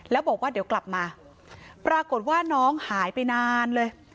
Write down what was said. แล้วบอกว่าเดี๋ยวกลับมาปรากฏว่าน้องหายไปนานเลย